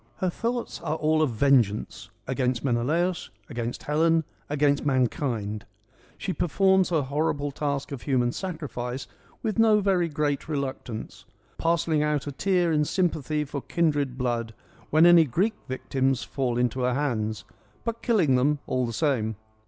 Her thoughts are all of vengeance : against Menelaus, against Helen, against mankind. She performs her horrible task of human sacrifice with no very great reluctance ;' Parcelling out a tear in sympathy for kindred blood ' when any Greek victims fall into her hands ; but killing them all the same.